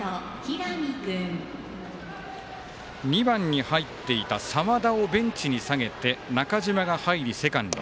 ２番に入っていた澤田をベンチに下げて中島が入りセカンド。